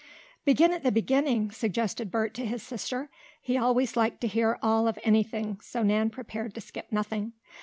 "Begin at the beginning," suggested Bert to his sister. He always liked to hear all of anything, so Nan prepared to skip nothing.